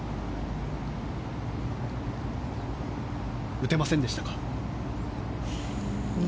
打てませんでしたか。